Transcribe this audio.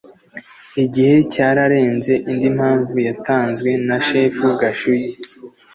igihe cyararenze Indi mpamvu yatanzwe na shefu Gashugi